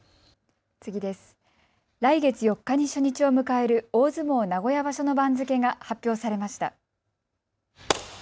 来月４日に初日を迎える大相撲名古屋場所の番付が発表されました。